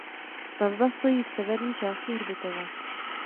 Stavba stojí v severní části hřbitova.